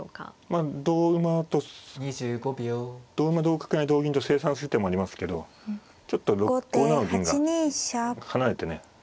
まあ同馬と同馬同角成同銀と清算する手もありますけどちょっと５七の銀が離れてね。